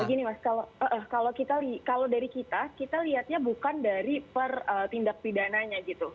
begini mas kalau dari kita kita lihatnya bukan dari per tindak pidananya gitu